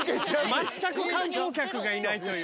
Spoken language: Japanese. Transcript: まったく観光客がいないという。